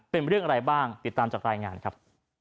เป็นเรื่องอะไรบ้างติดตามจากรายงานครับ